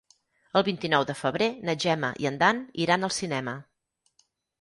El vint-i-nou de febrer na Gemma i en Dan iran al cinema.